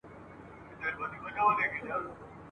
لويي زامې، لویه خېټه پنډ ورنونه !.